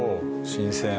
新鮮。